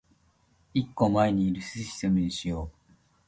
一個前にいるシステムにしよう